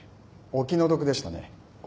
お気の毒でしたね。